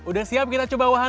udah siap kita coba wahan